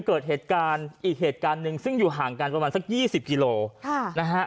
เกิดเหตุการณ์อีกเหตุการณ์หนึ่งซึ่งอยู่ห่างกันประมาณสักยี่สิบกิโลค่ะนะฮะ